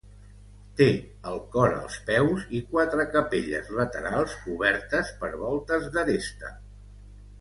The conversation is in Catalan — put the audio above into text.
Té el cor als peus i quatre capelles laterals cobertes per voltes d'aresta.